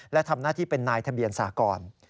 และทำหน้าที่เป็นนายทะเบียนสากร